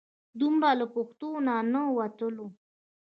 دومره له پښتو نه نه وتلو.